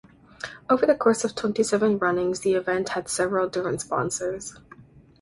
Over the course of twenty-seven runnings the event had several different sponsors.